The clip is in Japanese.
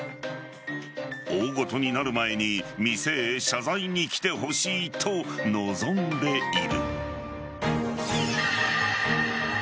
大ごとになる前に店へ謝罪に来てほしいと望んでいる。